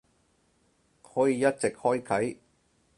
可以一直開啟